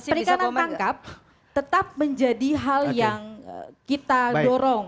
perikanan tangkap tetap menjadi hal yang kita dorong